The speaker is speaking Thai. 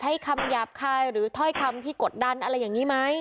คำหยาบคายหรือถ้อยคำที่กดดันอะไรอย่างนี้ไหม